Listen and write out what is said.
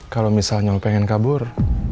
kalau misalnya pengen kabur